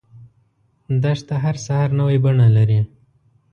دښته هر سحر نوی بڼه لري.